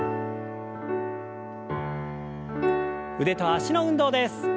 腕と脚の運動です。